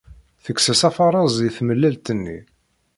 Tekkes-as afareẓ i tmellalt-nni.